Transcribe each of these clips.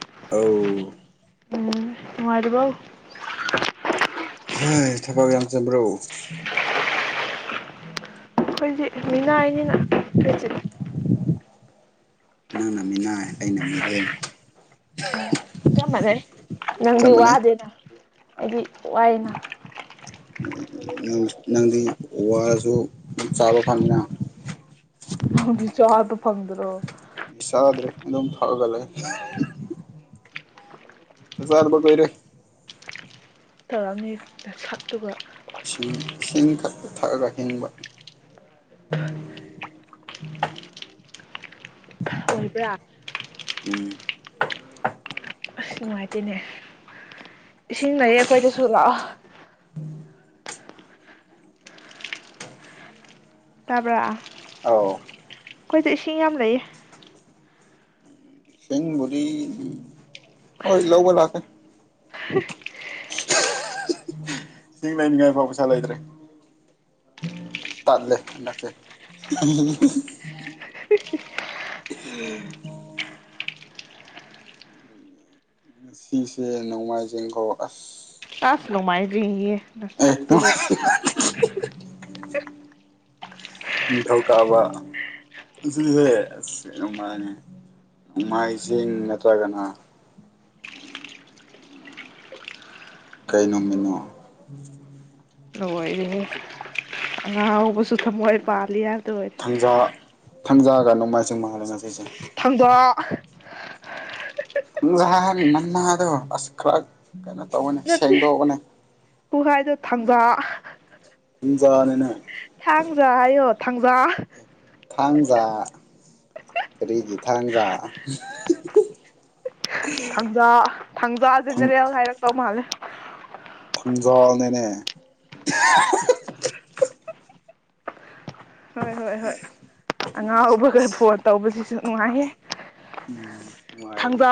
ꯑꯧ꯫ ꯎꯝ ꯅꯨꯡꯉꯥꯏꯔꯤꯕ? ꯊꯕꯛ ꯌꯥꯝ ꯆꯤꯟꯕ꯭ꯔꯣ? ꯑꯩꯗꯤ ꯃꯤꯅꯥꯏ ꯅꯤꯅ [unintelligible] ꯅꯪꯅ ꯃꯤꯅꯥꯏ ꯑꯩꯅ ꯃꯤꯔꯦꯝ꯫ [unintelligible] ꯆꯞ ꯅꯪꯗꯤ ꯃꯥꯟꯅꯩ ꯋꯥꯗꯦꯅ ꯑꯗꯨ ꯋꯥꯏꯅꯥ ꯅꯪꯗꯤ ꯋꯥꯔꯁꯨ ꯆꯥꯕ ꯐꯪꯅꯤꯅ ꯫ ꯅꯪꯗꯤ ꯆꯥꯕ ꯐꯪꯗ꯭ꯔꯣ? ꯆꯥꯗ꯭ꯔꯦ ꯑꯗꯨꯝ ꯊꯛ ꯑꯒ ꯂꯩ ꯫ [unintelligible] ꯇꯧꯔꯝꯅꯤ ꯅꯁꯛꯇꯨꯒꯥ ꯏꯁꯤꯡ ꯏꯁꯤꯡ ꯈꯛ ꯊꯛꯑꯒ ꯍꯤꯡꯕ ꯫ ꯑꯣꯏꯕ꯭ꯔꯥ ꯎꯝ ꯑꯁ ꯅꯨꯡꯉꯥꯏꯇꯦꯅꯦ ꯏꯁꯤꯡ ꯂꯩꯌꯦ ꯑꯩꯈꯣꯏꯗꯁꯨ ꯂꯥꯛꯑꯣ꯫ ꯇꯥꯕ꯭ꯔ ꯑꯧ ꯑꯩꯈꯣꯏꯁꯨ ꯏꯁꯤꯡ ꯌꯥꯝ ꯂꯩꯑꯦ ꯫ ꯏꯁꯤꯡꯕꯨꯗꯤ ꯍꯣꯏ ꯂꯧꯕ ꯂꯥꯛꯀꯦ꯫ ꯏꯁꯤꯡ ꯂꯩꯅꯤꯡꯉꯥꯏ ꯐꯥꯎ ꯄꯩꯁꯥ ꯂꯩꯇ꯭ꯔꯦ ꯇꯠꯂꯦ ꯍꯟꯗꯛꯁꯦ ꯫ ꯁꯤꯁꯦ ꯅꯣꯡꯃꯥꯏꯖꯤꯡ ꯈꯧ ꯑꯁ! ꯑꯁ ꯅꯣꯡꯃꯥꯏꯖꯤꯡ ꯍꯤꯌꯦ ꯑꯦ ꯅꯥꯁꯛꯇꯨꯗꯥ ꯅꯤꯡꯊꯧꯀꯥ [unintelligible] ꯅꯣꯡꯃꯥꯏꯖꯤꯡ ꯅꯠꯇꯔꯒꯅ ꯀꯩ ꯅꯨꯃꯤꯠꯅꯣ? ꯂꯣꯏꯔꯦꯍꯦ ꯑꯉꯥꯎꯕꯁꯨ ꯊꯃꯣꯏ ꯄꯥꯂꯤꯌꯥ [unintelligible] ꯊꯪꯖ ꯒ ꯅꯣꯡꯃꯥꯏꯖꯤꯡ ꯃꯥꯜꯂꯦ ꯉꯁꯤꯁꯦ ꯫ ꯊꯥꯡꯖ ꯑꯥ ꯊꯪꯖ ꯅꯟꯅꯥꯗꯣ ꯑꯁ ꯈꯔ ꯀꯩꯅꯣ ꯇꯧꯕꯅꯦ ꯅꯠꯇꯦ ꯁꯦꯡꯗꯣꯛꯑꯣꯅꯦ ꯈꯨꯍꯥꯏꯗꯣ ꯊꯥꯡꯖ ꯏꯟꯖꯥꯅꯤꯅ ꯊꯥꯡꯖ ꯍꯥꯏꯌꯣ ꯊꯥꯡꯖꯥ ꯊꯥꯡꯖꯥ ꯀꯔꯤꯒꯤ ꯊꯥꯡꯖꯥ ꯊꯥꯡꯖꯥ ꯊꯥꯡꯖꯥ ꯊꯪ ꯖꯦꯅꯦꯔꯦꯜ ꯍꯥꯏꯔꯛꯇꯧ ꯃꯥꯜꯂꯦ꯫ ꯊꯥꯡꯖꯥ ꯅꯦꯅꯦ ꯍꯣꯏ- ꯍꯣꯏ- ꯍꯣꯏ ꯑꯉꯥꯎꯕꯒ ꯐꯣꯟ ꯇꯧꯕꯁꯤꯁꯨ ꯅꯨꯡꯉꯥꯏꯌꯦ! ꯎꯝ ꯅꯨꯡꯉꯥꯏꯕꯅꯦ꯫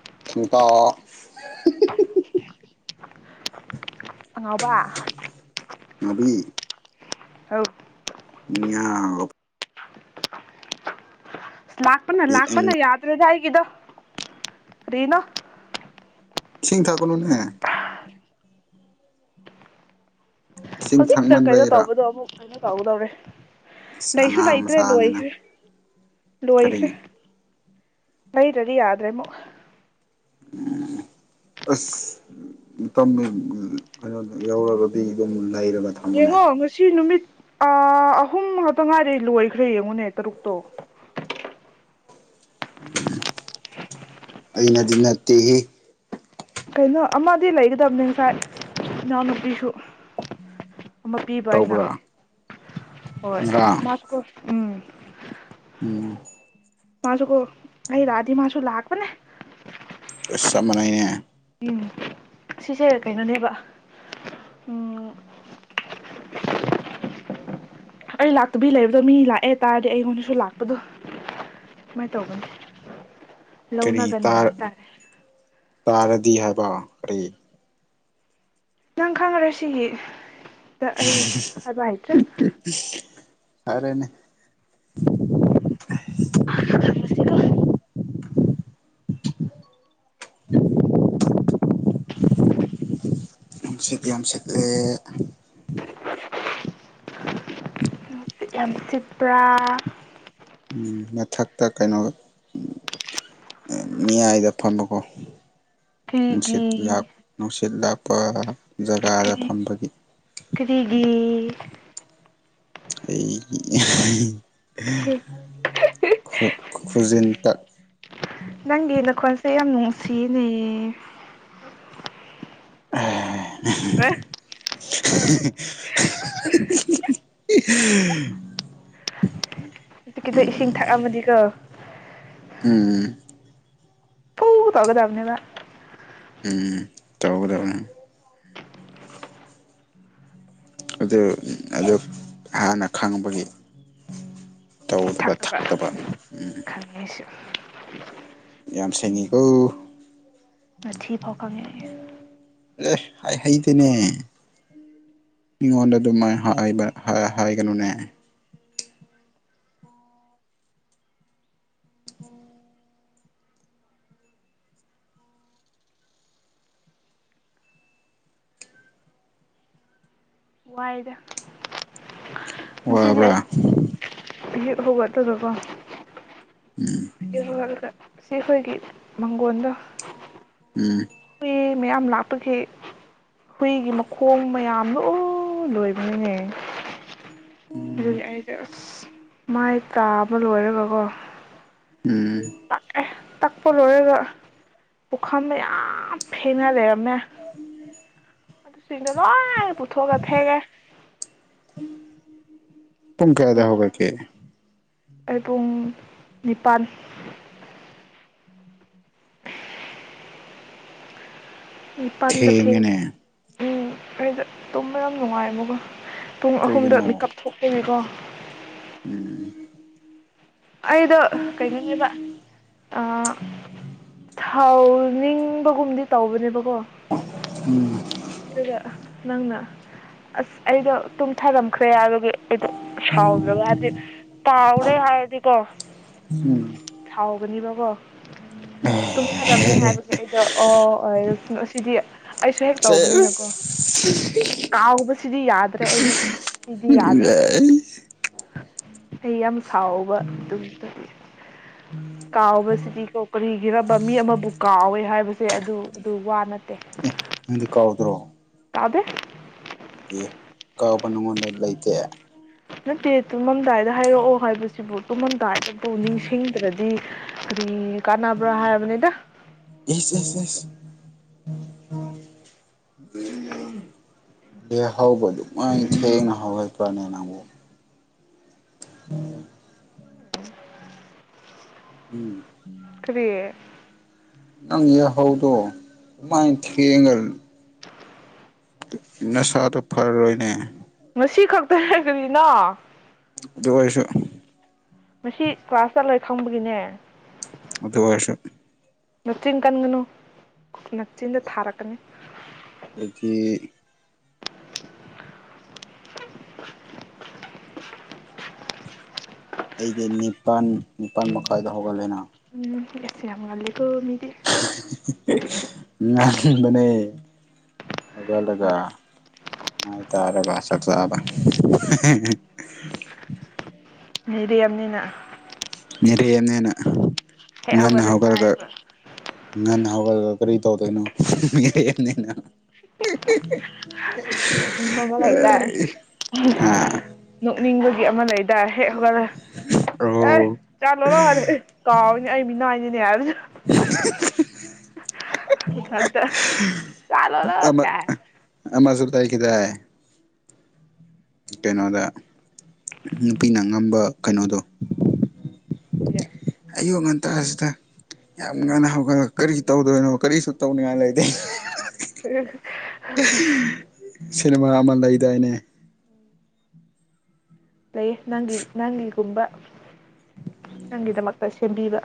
[unintelligible] ꯑꯉꯥꯎꯕ ꯑꯉꯥꯎꯕꯤ ꯍꯥꯎ [unintelligible] ꯂꯥꯛꯄꯅ ꯂꯥꯛꯄꯅ ꯏꯁꯤꯡ ꯌꯥꯗ꯭ꯔꯦꯗ ꯑꯩ ꯇꯦꯗ ꯀꯔꯤꯅꯣ ꯁꯤꯡ ꯊꯛꯀꯅꯨꯅꯦ ꯏꯁꯤꯡ ꯍꯧꯖꯤꯛꯇ ꯀꯩꯅꯣ ꯊꯛꯃꯟꯕꯩꯔꯥ ꯇꯧꯕꯗꯣ ꯑꯃꯨꯛ ꯀꯩꯅꯣ ꯇꯧꯒꯗꯧꯔꯦ ꯑꯁ ꯂꯩꯁꯨ ꯑꯉꯥꯡ ꯂꯩꯇ꯭ꯔꯦ ꯃꯆꯥꯅꯤꯅ ꯂꯣꯏꯈ꯭ꯔꯦ ꯀꯔꯤ ꯂꯣꯏꯈ꯭ꯔꯦ ꯂꯩꯗ꯭ꯔꯗꯤ ꯌꯥꯗ꯭ꯔꯦ ꯃꯨꯛ ꯎꯝ ꯑꯁ ꯃꯇꯝ ꯀꯩꯅꯣ ꯌꯥꯎꯔꯒꯗꯤ ꯑꯗꯨꯝ ꯂꯩꯔꯒ ꯊꯝꯃꯨꯅꯦ ꯌꯦꯡꯉꯣ ꯉꯁꯤ ꯅꯨꯃꯤꯠ ꯑ ꯑꯍꯨꯝ ꯉꯥꯛꯇ ꯉꯥꯏꯔꯦ ꯂꯣꯏꯈ꯭ꯔꯦ ꯌꯦꯡꯉꯨꯅꯦ ꯇꯔꯨꯛꯇꯣ ꯑꯩꯅꯗꯤ ꯅꯠꯇꯦꯍꯦ ꯀꯩꯅꯣ ꯑꯃꯗꯤ ꯂꯩꯒꯗꯕꯅꯦ ꯉꯁꯥꯏ ꯏꯅꯥꯎꯅꯨꯄꯤꯁꯨ ꯑꯃ ꯄꯤꯕ ꯑꯩꯅ ꯇꯧꯕ꯭ꯔꯥ ꯍꯣꯏ ꯉꯔꯥꯡ ꯃꯥ ꯎꯝ ꯎꯝ ꯃꯥꯁꯨ ꯀꯣ ꯑꯩꯩ ꯂꯥꯛꯑꯗꯤ ꯃꯥꯁꯨ ꯂꯥꯛꯄꯅꯦ ꯏꯁ ꯆꯞ ꯃꯅꯩꯅꯦ ꯎꯝ ꯁꯤꯁꯦ ꯀꯩꯅꯣꯅꯦꯕ ꯎꯝ ꯑꯩ ꯂꯥꯛꯇꯕꯤ ꯂꯩꯕꯗꯣ ꯃꯤ ꯂꯥꯛꯑꯦ ꯇꯥꯔꯗꯤ ꯑꯩꯉꯣꯟꯗꯁꯨ ꯂꯥꯛꯄꯗꯣ ꯀꯃꯥꯏꯅ ꯇꯧꯒꯅꯤ ꯀꯔꯤ ꯂꯧꯅꯒꯟꯕ ꯍꯥꯏꯇꯥꯔꯦ ꯇꯥꯔꯗꯤ ꯍꯥꯏꯕ ꯀꯔꯤ ꯅꯪ ꯈꯪꯉꯔꯣꯏ ꯁꯤ ꯑꯩ ꯑꯗꯥꯏꯇ꯭ꯔꯦ ꯐꯔꯦꯅꯦ [unintelligible] [unintelligible] ꯅꯨꯡꯁꯤꯠ ꯌꯥꯝ ꯁꯤꯠꯂꯦ ꯌꯥꯝ ꯆꯠꯄ꯭ꯔꯥ ꯃꯊꯛꯇ ꯀꯩꯅꯣ ꯃꯌꯥꯏꯗ ꯐꯝꯕꯀꯣ ꯀꯔꯤꯒꯤ ꯅꯨꯡꯁꯤꯠ ꯂꯥꯛ ꯅꯨꯡꯁꯤꯠ ꯂꯥꯛ ꯑꯣ ꯀꯔꯤ ꯀꯔꯤꯒꯤ ꯑꯩꯒꯤ ꯈꯨ ꯈꯨꯨꯖꯤꯟ ꯇ ꯅꯪꯒꯤ ꯅꯈꯣꯟꯁꯦ ꯌꯥꯝ ꯅꯨꯡꯁꯤꯅꯦꯌꯦ [unintelligible] [inaudible] [inaudible] [inaudible] [inaudible] ꯍꯧꯖꯤꯀꯤꯗ ꯏꯁꯤꯡ ꯊꯛꯑꯝꯃꯗꯤꯀꯣ ꯎꯝ ꯍ ꯇꯧꯒꯗꯕꯅꯤꯕ ꯎꯝ ꯇꯧꯒꯗꯕꯅꯦ ꯑꯗꯨ ꯑꯗꯨ ꯍꯥꯟꯅ ꯈꯪꯕꯒꯤ ꯇꯧꯗꯕ ꯊꯛꯇꯕ ꯎ [inaudible] ꯌꯥꯝ ꯁꯦꯡꯉꯀꯣ ꯑ ꯊꯤ ꯐꯥꯎ ꯈꯪ ꯌꯥ ꯑꯦ ꯍ ꯍꯩꯇꯦꯅꯦ ꯃꯤꯉꯣꯟꯗ ꯑꯗꯨꯝ ꯍꯥꯏꯕꯥ ꯍꯥꯏꯒꯅꯨꯅꯦ ꯋꯥꯏꯗ ꯉꯁꯤꯗꯤ ꯋꯥꯕ꯭ꯔ ꯑꯩ ꯑꯁ ꯑꯌꯨꯛ ꯍꯧꯇꯒꯀꯣ ꯍꯥꯏ ꯍꯗ [unintelligible] ꯁꯤ ꯑꯩꯈꯣꯏꯒꯤ ꯃꯪꯒꯣꯟꯗ ꯎꯝ ꯃꯌꯥꯝ ꯂꯥꯛꯄꯒꯤ ꯍꯨꯏꯒꯤ ꯃꯈꯣꯡ ꯃꯌꯥꯝ ꯂ ꯂꯣꯏꯕꯅꯤꯅꯦ ꯑꯗꯨ ꯎꯝ ꯑꯩ ꯃꯥꯏ ꯀꯥꯞ ꯑꯃ ꯂꯣꯏꯔꯒꯀꯣ ꯎꯝ ꯇꯥꯛ ꯑꯦ ꯇꯥꯛꯄ ꯂꯣꯏꯔꯦꯒ ꯈ ꯌꯥꯝ ꯐꯦꯡꯅ ꯂꯩ [unintelligible] ꯑꯗꯨꯁꯤꯡꯗꯗ ꯂꯣꯏꯟ ꯄꯨꯊꯣ ꯀ ꯐꯦꯡꯉꯦ ꯇꯨꯨꯝ ꯀꯥꯏꯗ ꯍꯧꯒ ꯀ ꯑꯩ ꯄꯨꯡ ꯅꯤꯄꯥꯜ ꯊꯦꯡꯉꯅꯦ ꯎ ꯑꯩꯗ ꯇꯨꯝꯕ ꯌꯥꯝ ꯅꯨꯡꯉꯥꯏꯕꯀꯣ ꯄꯨꯡ ꯑꯍꯨꯝꯗ ꯃꯤꯀꯞ ꯊꯣꯛꯈꯤꯕꯅꯤꯀꯣ ꯎꯝ ꯑꯩꯗꯣ ꯀꯩꯅꯣꯅꯦꯕ [unintelligible] ꯊꯥꯎ ꯅꯤꯡꯕꯒꯨꯝꯗꯤ ꯇꯧꯕꯅꯦꯕ ꯎꯝ ꯑꯗꯨꯒ ꯅꯪꯅ ꯑꯁ ꯑꯩꯗꯣ ꯇꯨꯝꯊꯔꯝꯈ꯭ꯔꯦꯔ ꯑꯩ ꯁꯥꯎꯗ꯭ꯔꯕ ꯍꯥꯏꯗꯤ ꯇꯥꯎꯔꯦ ꯍꯥꯏꯔꯗꯤꯀꯣ ꯎꯝ ꯁꯥꯎꯒꯅꯤꯕꯀꯣ ꯇꯨꯝꯊꯔꯝꯃꯦ ꯍꯥꯏꯕꯒꯤ ꯑꯩꯗꯣ ꯑꯣ ꯁꯤꯗꯤ ꯑꯩ [unintelligible] ꯀꯥꯎ ꯁꯤꯗꯤ ꯌꯥꯗ꯭ꯔꯦ ꯑꯩꯗꯤ ꯁꯤꯗꯤ ꯌꯥꯗ꯭ꯔꯦ ꯑꯦ ꯑꯩ ꯌꯥꯝ ꯁꯥꯎꯕ ꯑꯗꯨꯗꯤ ꯀꯥꯎꯕꯁꯤꯗꯤꯀꯣ ꯀꯔꯤꯒꯤꯕ ꯃꯤ ꯑꯃꯕꯨ ꯀꯥꯎꯋꯦ ꯍꯥꯏꯕꯁꯦ ꯑꯗꯨ ꯑꯗꯨ ꯋꯥ ꯅꯠꯇꯦ ꯅꯪꯗꯤ ꯀꯥꯎꯗ꯭ꯔꯣ ꯑꯗꯦ ꯑꯦ ꯀꯥꯎꯕ ꯅꯉꯣꯟꯗ ꯂꯩꯇꯦ ꯅꯠꯇꯦ ꯇꯨꯝꯃꯝꯗꯥꯏꯗ ꯍꯥꯏꯔꯛꯑꯣ ꯍꯥꯏꯕꯁꯤꯕꯨ ꯇꯨꯝꯃꯝꯗꯥꯏꯗꯕꯨ ꯅꯤꯡꯁꯤꯡꯗ꯭ꯔꯗꯤ ꯀꯗꯤ ꯀꯥꯟꯅꯕ꯭ꯔꯥ ꯍꯥꯏꯕꯅꯤꯗ ꯑꯦꯁ ꯑꯦ ꯑꯦꯁ ꯑꯦ ꯍꯥꯎꯧꯕ ꯑꯗꯨꯃꯥꯏ ꯊꯦꯡꯅ ꯍꯍꯄ꯭ꯔꯅꯦ ꯅꯪꯕꯨ ꯑꯣ ꯎꯝ ꯀꯔꯤ ꯅꯪ ꯍꯥꯎꯗꯣ ꯃꯥꯏ ꯊꯌꯦꯒ ꯅꯁꯥꯗꯣ ꯐꯔꯔꯣꯏꯅꯦ ꯑꯁꯤ ꯈꯛꯇ ꯍꯥꯏꯕꯅꯤꯅ ꯑꯗꯨ ꯑꯣꯏꯣꯏꯁꯨ ꯃꯁꯤ ꯀ꯭ꯂꯥꯁ ꯆꯠꯂꯣꯏ ꯈꯪꯕꯒꯤꯅꯦ ꯑꯗꯨꯗ ꯐꯁꯝ ꯅꯛꯆꯤꯟ ꯀꯟꯒꯅꯨ ꯅꯛꯆꯤꯟꯗ ꯊꯥꯔꯛꯀꯅꯤ ꯑꯗꯨꯗꯒꯤ ꯑꯩꯗꯤ ꯅꯤꯄꯜ ꯅꯤꯄꯜ ꯃꯈꯥꯏꯗ ꯍꯧꯒꯠꯂꯦꯅ ꯎꯝꯁꯤ ꯍ [inaudible] ꯃꯅꯤ ꯑꯣꯕꯂ ꯃꯥꯏ ꯇꯔꯦ ꯁꯛ ꯁꯥꯕ ꯃꯤꯔꯤ ꯌꯥꯝꯅꯤꯅ ꯌꯦꯔ ꯌꯦꯃꯤ ꯅꯦꯅ ꯍꯦꯛ ꯉꯅ ꯍꯧꯒꯠꯂ ꯍꯧꯒꯒ ꯆꯥꯏꯌꯦꯕ ꯉꯅ ꯍꯧꯒꯒ ꯀꯔꯤ ꯇꯧꯗꯅ ꯃꯤꯅ [inaudible] ꯀꯣ ꯑꯃ ꯂꯩꯗꯥ ꯍꯥ ꯅꯣꯛꯅꯤꯡꯕꯒꯤ ꯑꯃ ꯂꯩ ꯍꯦꯒ ꯑꯦ ꯑꯣ ꯆꯂꯣ ꯂ ꯍꯔꯦ ꯀꯥꯎꯅꯤ ꯑ ꯃꯤꯅꯥꯏꯅꯤ ꯌꯥꯔ ꯑꯃ [unintelligible] ꯑꯃꯁꯨ [unintelligible] ꯀꯩꯅꯣꯗ ꯅꯨꯄꯤꯅ ꯉꯝꯕ ꯀꯩꯅꯣꯗꯣ꯫ ꯑꯌꯨꯛ ꯉꯟ [unintelligible] ꯌꯥꯝ ꯉꯟꯅ ꯍꯧꯒꯠꯂ ꯀꯔꯤ ꯇꯧꯗꯣꯏꯅꯣ ꯀꯔꯤꯁꯨ ꯇꯧꯅꯤꯡꯉꯥꯏ ꯂꯩꯇꯦ꯫ [unintelligible] ꯁꯤꯅꯦꯃꯥ ꯑꯃ ꯂꯩꯗꯥꯏꯅꯦ꯫ ꯂꯩ ꯅꯪꯒꯤ ꯅꯪꯒꯤꯒꯨꯝꯕ ꯅꯪꯒꯤꯗꯃꯛꯇ ꯁꯦꯝꯕꯤꯕ꯫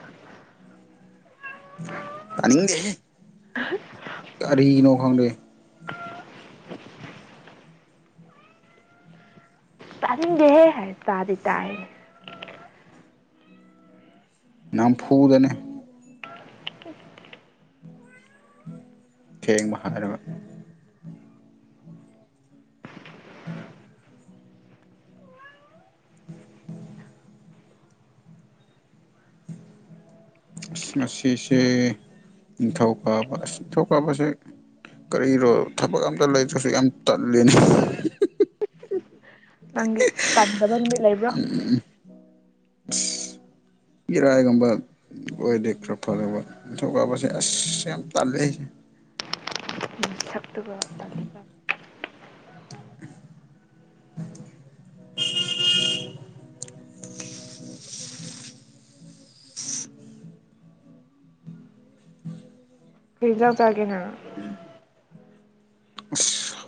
ꯇꯥꯅꯤꯡꯗꯦꯍꯦ꯫ [unintelligible] ꯀꯔꯤꯅꯣ ꯈꯪꯗꯦ꯫ [unintelligible] ꯇꯥꯅꯤꯡꯗꯦꯍꯦ ꯍꯥꯏ ꯇꯥꯗꯤ ꯇꯥꯢ꯫ ꯅꯪ ꯐꯨꯔꯅꯤ꯫ [unintelligible] ꯑꯁ ꯉꯁꯤꯁꯦ ꯅꯤꯡꯊꯧꯀꯥꯕ ꯑꯁ ꯅꯤꯡꯊꯧꯀꯥꯕꯁꯦ ꯀꯔꯤꯔꯣ ꯊꯕꯛ ꯑꯝꯇ ꯂꯩꯇ꯭ꯔꯁꯨ ꯌꯥꯝ ꯇꯜꯂꯤꯅꯦ [unintelligible] ꯅꯪꯒꯤ ꯇꯥꯟꯗꯕ ꯅꯨꯃꯤꯠ ꯂꯩꯕ꯭ꯔꯣ꯫ ꯏꯔꯥꯏꯒꯨꯝꯕ ꯑꯣꯏꯔꯗꯤ ꯈꯔ ꯐꯒꯗꯕ ꯅꯤꯡꯊꯧꯀꯥꯕꯁꯦ ꯑꯁ ꯌꯥꯝ ꯇꯥꯜꯂꯦ ꯑꯩꯖꯦ꯫ ꯑꯗꯨꯒ ꯇꯜꯂꯤ [unintelligible] ꯀꯔꯤ ꯏꯟꯖꯥꯡ ꯆꯥꯒꯦ ꯅꯪ꯫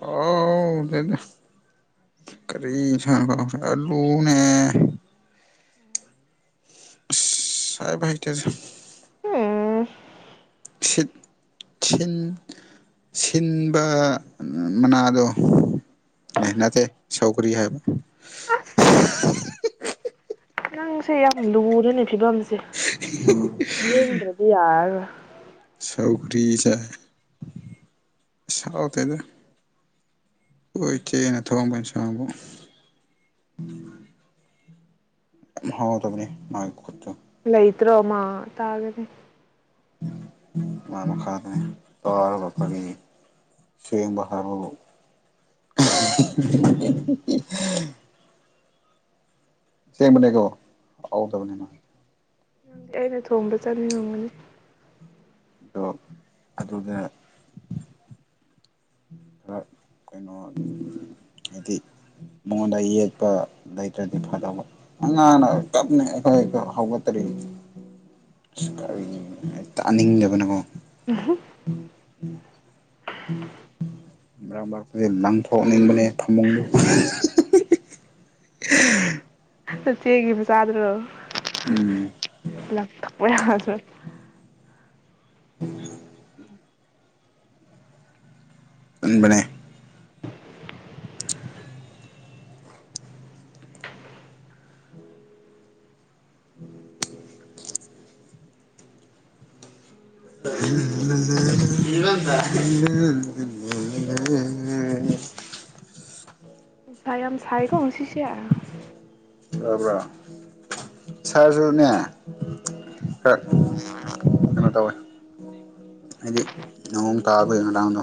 ꯍꯥꯎꯗꯦꯗ ꯀꯔꯤ ꯏꯟꯁꯥꯡꯅꯣ ꯑꯂꯨꯅꯦ ꯑꯁ ꯍꯥꯢꯕ ꯍꯩꯇꯦꯗ꯫ ꯎꯝ ꯁꯤꯟ ꯁꯤꯟ ꯁꯤꯟꯕ ꯃꯅꯥꯗꯣ ꯑ ꯅꯠꯇꯦ ꯁꯧꯒꯔꯤ ꯍꯥꯏꯕ꯫ ꯑꯁ꯫ ꯅꯪꯁꯦ ꯌꯥꯝ ꯂꯨꯔꯦꯅꯦ꯫ ꯐꯤꯕꯝꯁꯦ ꯂꯥꯏꯌꯦꯡꯗ꯭ꯔꯗꯤ ꯌꯥꯔꯔꯣꯏ꯫ ꯁꯧꯒꯔꯤ ꯆꯥꯏ ꯍꯥꯎꯇꯦꯗ ꯈꯣꯏ ꯏꯆꯦꯅ ꯊꯣꯡꯕ ꯏꯟꯁꯥꯡꯕꯣ꯫ ꯌꯥꯝ ꯍꯥꯎꯇꯕꯅꯦ ꯃꯥꯒꯤ ꯈꯨꯠꯇꯣ꯫ ꯂꯩꯇ꯭ꯔꯣ ꯃꯥ ꯇꯥꯒꯅꯤ꯫ [unintelligible] ꯑꯁꯦꯡꯕꯅꯦ ꯑꯗꯣ ꯍꯥꯎꯇꯕꯅꯦ꯫ ꯑꯩꯅ ꯊꯣꯡꯕ ꯆꯥꯅꯤꯡꯉꯝꯒꯅꯤ꯫ ꯑꯗꯣ ꯑꯗꯨꯗ ꯈꯔ ꯀꯩꯅꯣ ꯍꯥꯏꯗꯤ ꯃꯉꯣꯟꯗ ꯌꯦꯠꯄ ꯂꯩꯇ꯭ꯔꯗꯤ ꯐꯗꯧꯕ ꯑꯉꯥꯡꯅ ꯀꯞꯅ ꯑꯩꯈꯣꯏ ꯍꯧꯒꯠꯇꯔꯤ ꯀꯔꯤ ꯇꯥꯅꯤꯡꯗꯕꯅꯀꯣ꯫ [unintelligible] ꯃꯔꯛ ꯃꯔꯛꯁꯦ ꯂꯡꯊꯣꯛꯟꯅꯤꯡꯕꯅꯦ ꯐꯃꯨꯡ [unintelligible] ꯅꯆꯦꯒꯤ ꯃꯆꯥꯗꯨꯔꯣ꯫ ꯎꯝ ꯂꯡ ꯊꯣꯛꯄ ꯌꯥ [unintelligible] ꯎꯕꯅꯦ [unintelligible] ꯁꯥꯏꯌꯥꯝ ꯁꯥꯏꯀꯣ ꯉꯁꯤꯁꯦ ꯇꯥꯕ꯭ꯔꯥ ꯎꯝ ꯇꯖꯨꯅꯦ ꯍ ꯀꯩꯅꯣ ꯇꯧꯋꯦ ꯍꯥꯏꯗꯤ ꯅꯣꯡ ꯇꯕꯒꯤ ꯉꯔꯥꯡꯗꯣ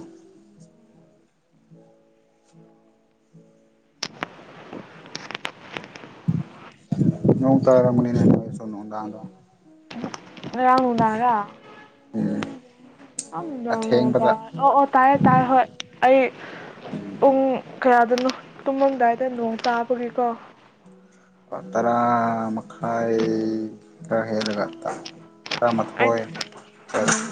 ꯅꯣꯡ ꯇꯔꯝꯒꯅꯤꯅꯦ ꯅꯣꯏꯒꯤꯁꯨ ꯅꯨꯡꯗꯥꯡꯗꯣ ꯉꯔꯥꯡ ꯅꯨꯡꯗꯥꯡꯔ ꯉꯔꯥꯡ ꯅꯨꯡꯗꯥꯡ ꯅꯣꯡꯇ ꯑꯊꯦꯡꯕꯗ ꯑꯣ ꯑꯣ ꯇꯥꯏ ꯇꯥꯏ ꯍꯣꯏ ꯑꯩ ꯄꯨꯡ ꯀꯌꯥꯗꯅꯣ ꯇꯨꯝꯃꯝꯗꯥꯏꯗ ꯅꯣꯡ ꯇꯥꯕꯒꯤꯀꯣ ꯇꯔꯥ ꯃꯈꯥꯏ ꯈꯔꯥꯍꯦꯜꯂꯒ ꯇꯥꯏ ꯇꯔꯥꯃꯥꯊꯣꯏ ꯑꯩꯅ ꯈꯔꯥ ꯎꯝ